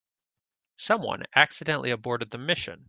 Someone accidentally aborted the mission.